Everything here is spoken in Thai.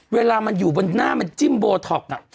เวลามันอยู่บนหน้ามันจิ้มโบท็อกซ์